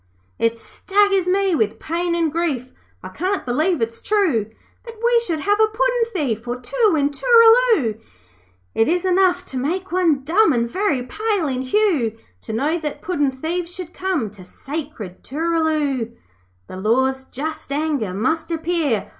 'It staggers me with pain and grief, I can't believe it's true, That we should have a puddin' thief Or two in Tooraloo. 'It is enough to make one dumb And very pale in hue To know that puddin' thieves should come To sacred Tooraloo. 'The Law's just anger must appear.